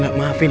ya tidak betul